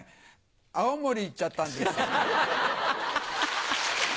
青森行っちゃったんです。ハハハ！